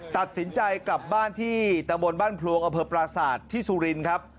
ตัดสินใจกลับบ้านที่ตะบนบ้านพลวงอเผิดปราสาทที่สุรินทร์ครับ